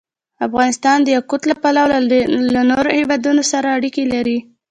افغانستان د یاقوت له پلوه له نورو هېوادونو سره اړیکې لري.